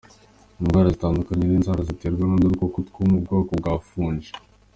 Indwara zitandukanye z’inzara ziterwa n’udukoko two mu bwoko bwa fungi.